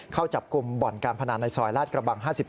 เข้าจับกลุ่มบ่อนการพนันในซอยลาดกระบัง๕๓